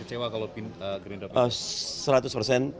kecewa kalau pinta gerindap ini